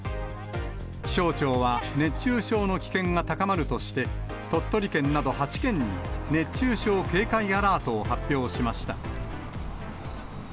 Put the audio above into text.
気象庁は熱中症の危険が高まるとして、鳥取県など８県に、熱中症警戒アラートを発表しました。